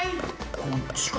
こっちか？